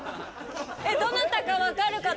どなたかわかる方？